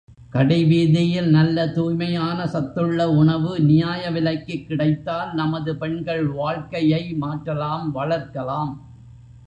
கடைவீதியில் நல்ல தூய்மையான சத்துள்ள உணவு நியாய விலைக்குக் கிடைத்தால் நமது பெண்கள் வாழ்க்கையை மாற்றலாம் வளர்க்கலாம்.